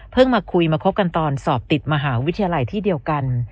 มาคุยมาคบกันตอนสอบติดมหาวิทยาลัยที่เดียวกัน